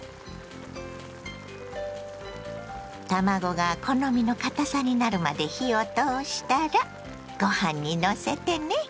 卵が好みの堅さになるまで火を通したらごはんにのせてね。